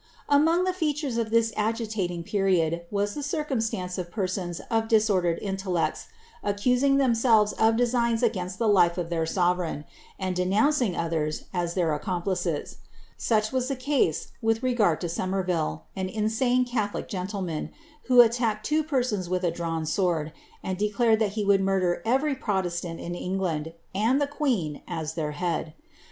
! Among the features of this agitating period, was the circumslaoce fl| persons of disordered intellects accusbg themselves of designs >gn*l the life of their sovereign, and denoimcing others as their aecompliea Such was the case wjlh regard to Somerville, an insane catholic geolli man, who attacked two drawn sword, and declared ikf he would murder every England, and the queen, as IM head.